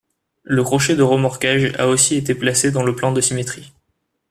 Le crochet de remorquage a aussi été placé dans le plan de symétrie.